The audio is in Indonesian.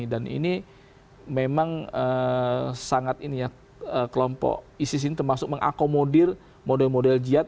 dan ini memang sangat kelompok isis ini termasuk mengakomodir model model jihad